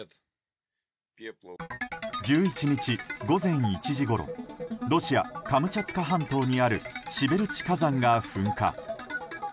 １１日午前１時ごろロシア、カムチャツカ半島にあるシベルチ火山が噴火。